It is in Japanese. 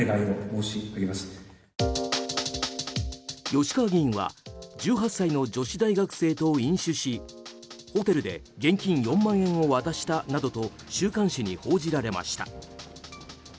吉川議員は１８歳の女子大学生と飲酒しホテルで現金４万円を渡したなどと週刊誌に報じられました。